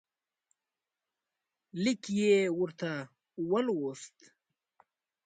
لیک یې ورته ولوست.